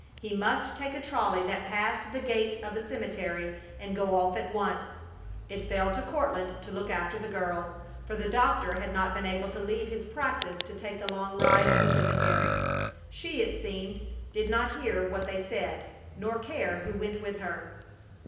He must take a trolley that passed the gate of the cemetery and go off at once. It fell to Courtland to look after the girl, for the doctor had not been able to leave his practice to take the long ride to the cemetery. She, it seemed, did not hear what they said, nor care who went with her.